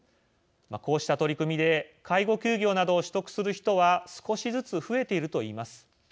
こうした取り組みで介護休業などを取得する人は少しずつ増えていると言います。